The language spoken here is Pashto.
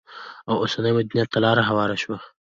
او اوسني مدنيت ته لار هواره شوه؛